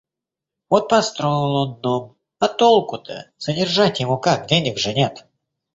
Вот построил он дом, а толку-то? Содержать его как, денег же нет.